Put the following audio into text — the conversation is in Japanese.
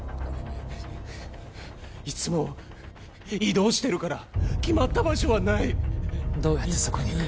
いつも移動してるから決まった場所はないどうやってそこに行く？